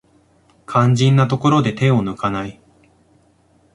肝心なところで手を抜かない